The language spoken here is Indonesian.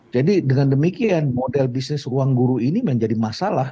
jadi dengan demikian model bisnis uang guru ini menjadi masalah